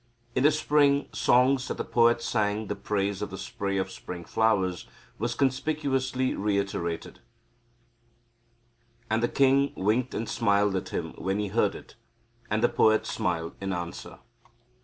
In the spring songs that the poet sang the praise of the spray of spring flowers was conspicuously reiterated; and the king winked and smiled at him when he heard it, and the poet smiled in answer.